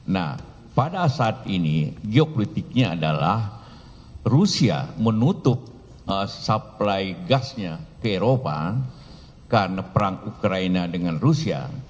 nah pada saat ini geopolitiknya adalah rusia menutup supply gasnya ke eropa karena perang ukraina dengan rusia